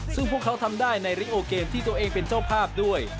ซึ่งพวกเขาทำได้ในริโอเกมที่ตัวเองเป็นเจ้าภาพด้วย